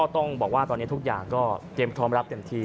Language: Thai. ต้องบอกว่าตอนนี้ทุกอย่างก็เตรียมพร้อมรับเต็มที่